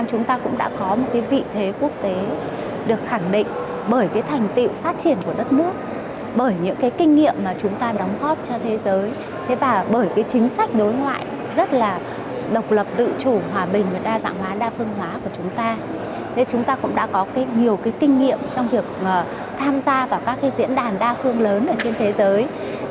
chúng ta cũng đã có nhiều kinh nghiệm trong việc tham gia vào các diễn đàn đa phương lớn trên thế giới